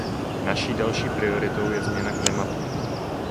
Naší další prioritou je změna klimatu.